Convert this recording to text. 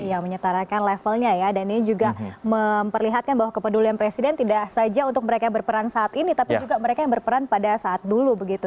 iya menyetarakan levelnya ya dan ini juga memperlihatkan bahwa kepedulian presiden tidak saja untuk mereka yang berperan saat ini tapi juga mereka yang berperan pada saat dulu begitu